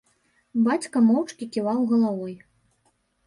Бацька моўчкі ківаў галавой.